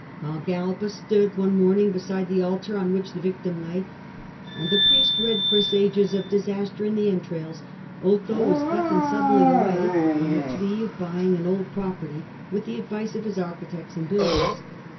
While Galba stood one morning beside the altar on which the victim lay, and the priest read presages of disaster in the entrails, Otho was beckoned suddenly away on the plea of buying an old property with the advice of his architects and builders.